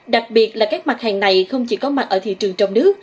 đặc biệt là các mặt hàng này không chỉ có mặt ở thị trường trong nước